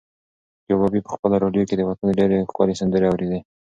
کبابي په خپله راډیو کې د وطن ډېرې ښکلې سندرې اورېدې.